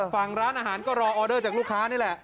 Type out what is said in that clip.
ฝั่งร้านอาหารก็รอออเดอร์จากลูกค้านี่แหละ